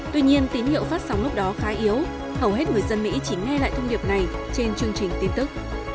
tuy nhiên tín hiệu phát sóng lúc đó khá yếu hầu hết người dân mỹ chỉ nghe lại thông điệp này trên chương trình tin tức